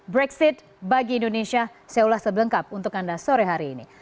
brexit bagi indonesia saya ulas sebelengkap untuk anda sore hari ini